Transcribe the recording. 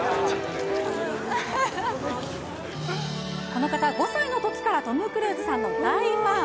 この方、５歳のときからトム・クルーズさんの大ファン。